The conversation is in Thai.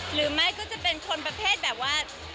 หรือไม่ก็จะเป็นคนประเภทแบบว่า